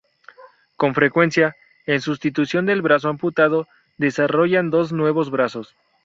Con frecuencia, en sustitución del brazo amputado, desarrollan dos nuevos brazos.